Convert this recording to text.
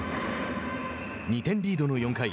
２点リードの４回。